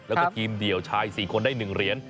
แล้วก็ทีมเดี่ยวชาย๔คนได้๑เหรียญ